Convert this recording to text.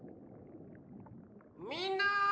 みんな。